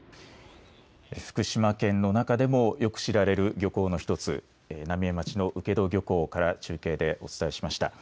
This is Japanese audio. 福島県の中でもよく知られる漁港の一つ浪江町の請戸漁港から中継でお伝えしました。